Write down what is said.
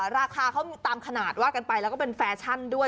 ราคาเขาตามขนาดว่ากันไปแล้วก็เป็นแฟชั่นด้วย